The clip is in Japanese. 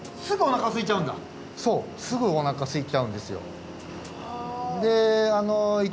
そうすぐおなかすいちゃうんですよ。